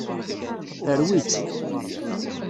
Terwi-tt.